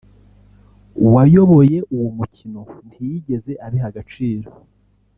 wayoboye uwo mukino ntiyigeze abiha agaciro